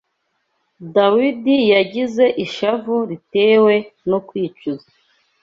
Dawidi yagize ishavu ritewe no kwicuza